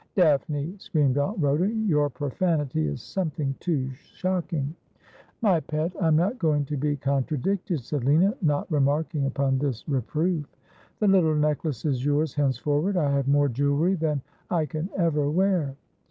' Daphne !' screamed Aunt Rhoda ;' your profanity is some thing too shocking.' ' My pet, I am not going to be contradicted,' said Lina, not remarking upon this reproof. ' The little necklace is yours henceforward. I have more jewellery than I can ever wear.'